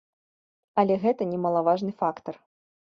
Але гэта немалаважны фактар.